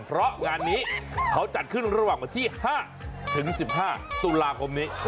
เพราะงานนี้เขาจัดขึ้นระหว่างวันที่๕ถึง๑๕ตุลาคมนี้